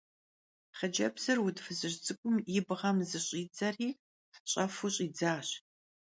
Xhıcebzır vud fızıj ts'ık'um yi bğem zış'idzeri ş'efu ş'idzaş.